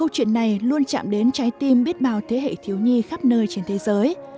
chạm đến trái tim biết bào thế hệ thiếu nhi khắp nơi trên thế giới